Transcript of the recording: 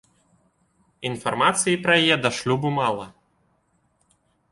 Інфармацыі пра яе да шлюбу мала.